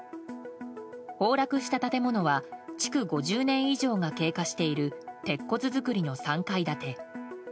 崩落した建物は築５０年以上が経過している鉄骨造りの３階建て。